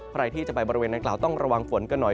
ใครที่จะไปบริเวณนางกล่าวต้องระวังฝนกันหน่อย